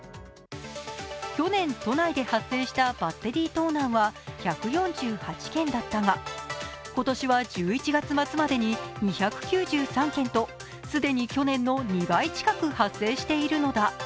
去年、都内で発生したバッテリー盗難は１４８件だったが今年は１１月末までに２９３件と既に去年の２倍近く発生しているのだ。